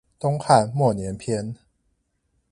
東漢末年篇